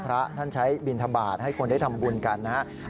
พระท่านใช้บินทบาทให้คนได้ทำบุญกันนะครับ